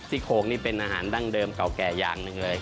โคกนี่เป็นอาหารดั้งเดิมเก่าแก่อย่างหนึ่งเลย